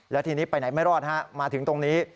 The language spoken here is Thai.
แล้วทีนี้ไปไหนไม่รอดฮะมาถึงตรงนี้